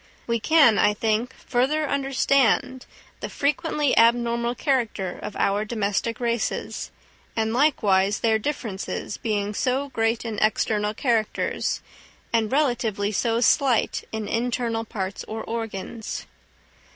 We can, I think, further understand the frequently abnormal character of our domestic races, and likewise their differences being so great in external characters, and relatively so slight in internal parts or organs.